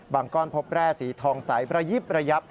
ก้อนพบแร่สีทองใสระยิบระยับ